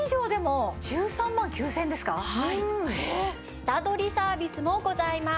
下取りサービスもございます。